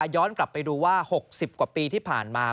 ย้อนกลับไปดูว่า๖๐กว่าปีที่ผ่านมา